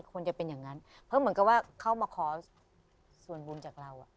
ควรจะเป็นอย่างนั้นเพราะเหมือนกับว่าเข้ามาขอส่วนบุญจากเรา